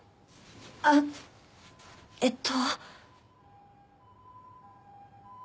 あっえっと。